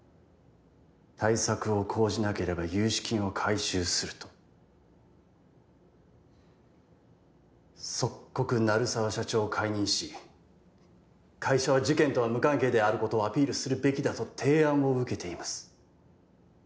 対策を講じなければ融資金を回収すると即刻鳴沢社長を解任し会社は事件とは無関係であることをアピールするべきだと提案を受けています